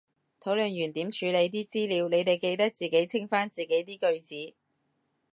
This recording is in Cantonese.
討論完點處理啲資料，你哋記得自己清返自己啲句子